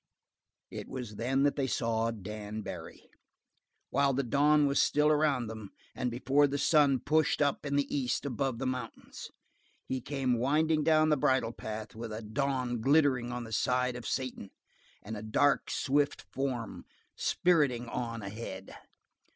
It was then that they saw Dan Barry, while the dawn was still around them, and before the sun pushed up in the east above the mountains. He came winding down the bridle path with the dawn glittering on the side of Satan, and a dark, swift form spiriting on ahead.